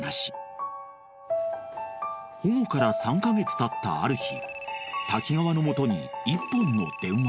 ［保護から３カ月たったある日滝川の元に］